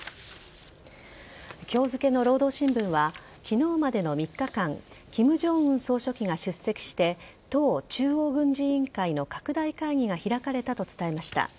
今日付の労働新聞は昨日までの３日間金正恩総書記が出席して党中央軍事委員会の拡大会議が開かれたと伝えました。